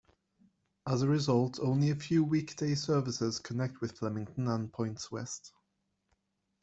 As a result, only a few weekday services connect with Flemington and points west.